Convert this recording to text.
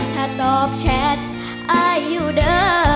ถ้าตอบแชทอายุเด้อ